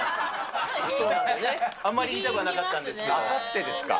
あまり言いたくはなかったんあさってですか。